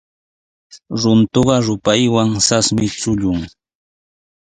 Runtuqa rupaywan sasmi chullun.